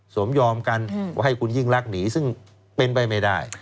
สมยอมกันว่าให้คุณยิ่งรักหนีซึ่งเป็นไปไม่ได้